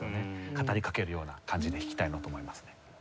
語りかけるような感じで弾きたいなと思いますね。